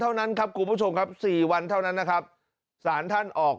เท่านั้นครับคุณผู้ชมครับ๔วันเท่านั้นนะครับสารท่านออก